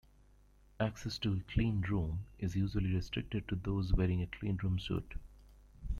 Access to a cleanroom is usually restricted to those wearing a cleanroom suit.